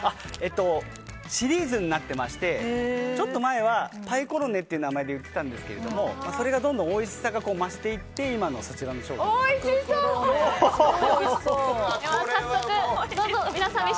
シリーズになってましてちょっと前はパイコロネという名前で売ってたんですけどもそれがどんどんおいしさが増していって今の、そちらの商品に。